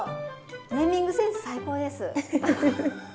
ネーミングセンス最高です！